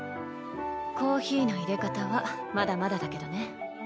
コーヒーのいれ方はまだまだだけどね。